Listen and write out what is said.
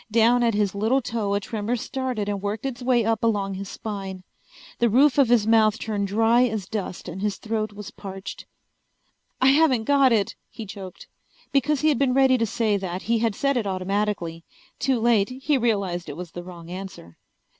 Down at his little toe a tremor started and worked its way up along his spine. The roof of his mouth turned dry as dust and his throat was parched. "I haven't got it," he choked. Because he had been ready to say that he had said it automatically. Too late he realized it was the wrong answer.